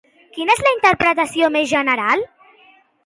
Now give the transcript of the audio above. Quina és la interpretació més general?